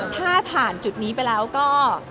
ถ้าผ่านจุดนี้ไปแล้วก็